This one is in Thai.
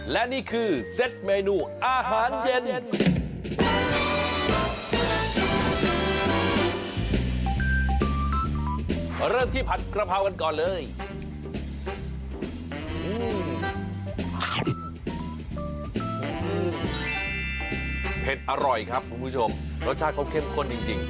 และนี่คือเซ็ตเมนูอาหารเย็น